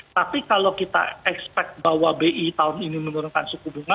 tapi kalau kita expect bahwa bi tahun ini menurunkan suku bunga